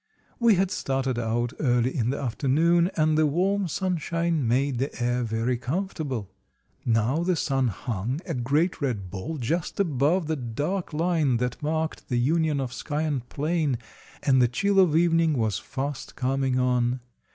We had started out early in the afternoon, and the warm sunshine made the air very comfortable. Now the sun hung, a great red ball, just above the dark line that marked the union of sky and plain, and the chill of evening was fast coming on.